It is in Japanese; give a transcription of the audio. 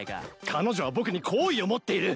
彼女は僕に好意を持っている。